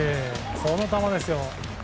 この球ですよ。